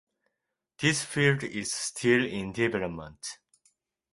This field is still in development.